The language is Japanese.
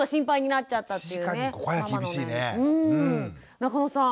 中野さん。